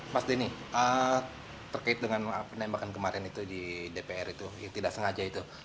mas denny terkait dengan penembakan kemarin itu di dpr itu yang tidak sengaja itu